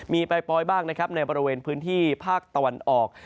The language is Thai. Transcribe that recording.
มีปล่อยบ้างนะครับในบริเวณพื้นที่ภาคตะวันออก